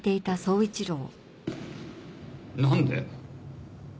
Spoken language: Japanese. なんで？